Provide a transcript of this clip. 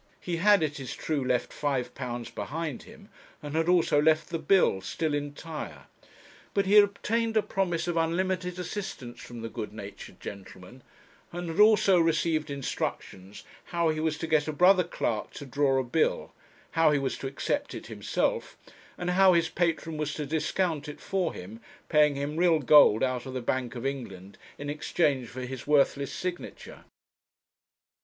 He had, it is true, left £5 behind him, and had also left the bill, still entire; but he had obtained a promise of unlimited assistance from the good natured gentleman, and had also received instructions how he was to get a brother clerk to draw a bill, how he was to accept it himself, and how his patron was to discount it for him, paying him real gold out of the Bank of England in exchange for his worthless signature.